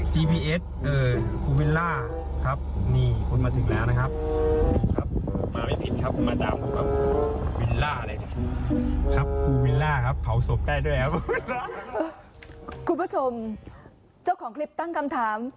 คุณผู้ชมเจ้าของคลิปตั้งคำถาม